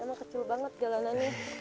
emang kecil banget jalanannya